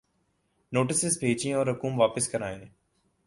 Notices بھیجیں اور رقوم واپس کرائیں۔